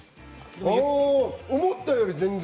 思ったり全然。